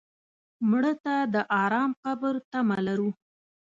مړه ته د ارام قبر تمه لرو